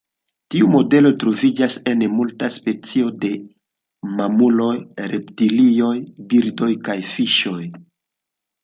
Tiu modelo troviĝas en multaj specioj de mamuloj, reptilioj, birdoj kaj fiŝoj.